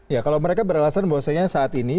ya kalau mereka berelasan bahwa saat ini